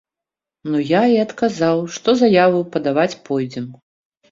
Ну я і адказаў, што заяву падаваць пойдзем.